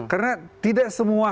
karena tidak semua